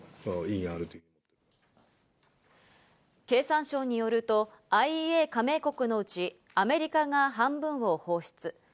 経産省によると、ＩＥＡ加盟国のうちアメリカが半分を放出。